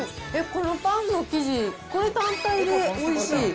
このパンの生地、これ単体でおいしい。